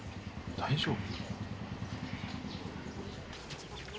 大丈夫？